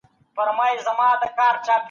امیر دوست محمد خان واک ترلاسه کړ